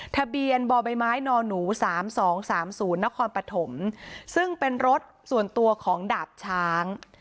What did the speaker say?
ทะเบียนบ่อใบไม้นหนู๓๒๓๐นครปฐมซึ่งเป็นรถส่วนตัวของดาบช้าง